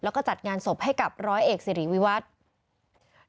แล้วก็จัดงานศพให้กับร้อยเอกสิริวิวัตร